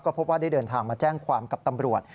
พบว่าได้เดินทางมาแจ้งความกับตำรวจ